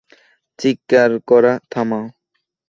চিৎকার করা থামাও।